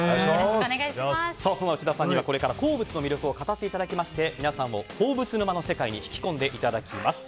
その内田さんにはこれから鉱物の魅力を語っていただき皆さんを鉱物沼の世界に引き込んでいただきます。